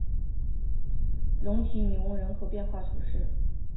龙提尼翁人口变化图示